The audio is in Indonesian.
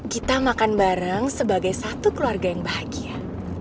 kita makan bareng sebagai satu keluarga yang bahagia